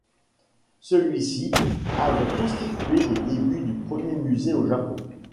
Celui-ci avait constitué les débuts du premier musée au Japon.